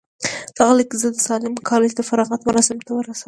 دغه ليک زه د ساليم کالج د فراغت مراسمو ته ورسولم.